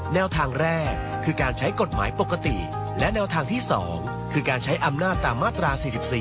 แนวทางแรกคือการใช้กฎหมายปกติและแนวทางที่๒คือการใช้อำนาจตามมาตรา๔๔